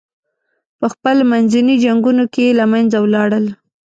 پخپل منځي جنګونو کې له منځه ولاړل.